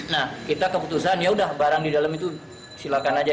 nah kita keputusan yaudah barang di dalam itu silakan aja